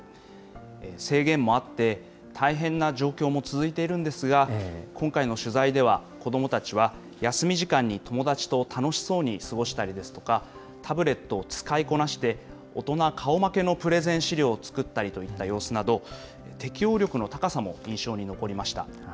制限もあって、大変な状況も続いているんですが、今回の取材では、子どもたちは休み時間に友達と楽しそうに過ごしたりですとか、タブレットを使いこなして、大人顔負けのプレゼン資料を作ったりといった様子など、適応力の高さも印象に残りました。